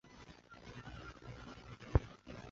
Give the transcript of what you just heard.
华域克及洛达取得来届荷甲参赛席位。